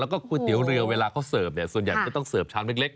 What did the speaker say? แล้วก็ก๋วยเตี๋ยวเรือเวลาเขาเสิร์ฟเนี่ยส่วนใหญ่จะต้องเสิร์ฟชามเล็ก